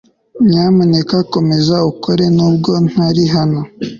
Nyamuneka komeza ukore nubwo ntari hano